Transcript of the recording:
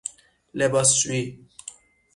لباسشویی